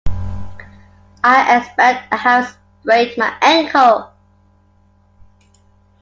I expect I have sprained my ankle.